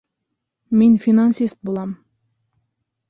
Мин финансист булам